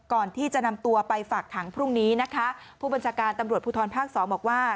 ก่อนที่จะนำตัวไปฝากขังพรุ่งนี้นะคะผู้บัญชาการตำรวจภูทรภาคสองบอกว่า